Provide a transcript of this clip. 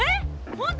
本当？